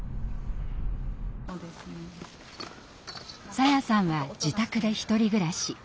さやさんは自宅で１人暮らし。